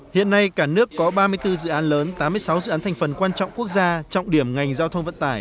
hiện nay cả nước có ba mươi bốn dự án lớn tám mươi sáu dự án thành phần quan trọng quốc gia trọng điểm ngành giao thông vận tải